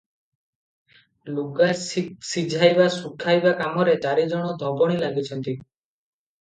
ଲୁଗା ସିଝାଇବା ଶୁଖାଇବା କାମରେ ଚାରି ଜଣ ଧୋବଣୀ ଲାଗିଛନ୍ତି ।